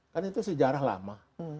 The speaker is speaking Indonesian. kan itu sejarah lama